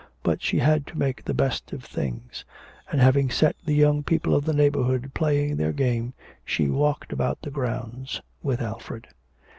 But she had to make the best of things; and having set the young people of the neighbourhood playing their game she walked about the grounds with Alfred.